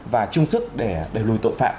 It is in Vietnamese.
và chung sức để đẩy lùi tội phạm